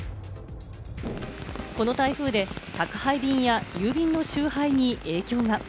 この台風で宅配便や郵便の集配に影響が。